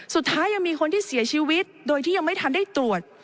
สุดท้ายยังมีคนที่เสียชีวิตโดยที่ยังไม่ทันได้ตรวจ